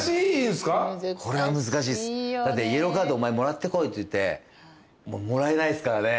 だってイエローカードお前もらってこいっていってもらえないですからね。